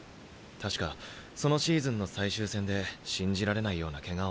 確かそのシーズンの最終戦で信じられないようなケガを負ったんだ。